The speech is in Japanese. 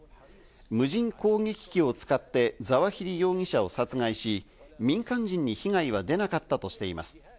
無人攻撃機を使ってザワヒリ容疑者を殺害し、民間人に被害は出なかったとしています。